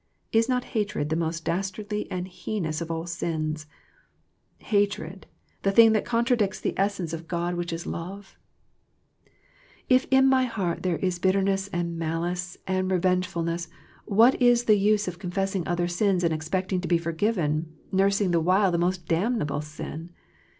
Is not hatred the most dastardly and heinous of all sins hatred, the thing that contradicts the essence of THE PLANE OF PEAYEE 97 God which is love ? If in my heart there is bit terness and malice and revengefulness what is the use of confessing other sins and expecting to be for given, nursing the while the most damnable sin